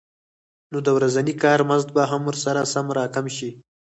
نو د ورځني کار مزد به هم ورسره سم راکم شي